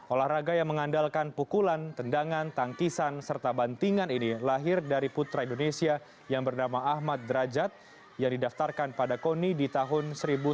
olahraga yang mengandalkan pukulan tendangan tangkisan serta bantingan ini lahir dari putra indonesia yang bernama ahmad derajat yang didaftarkan pada koni di tahun seribu sembilan ratus sembilan puluh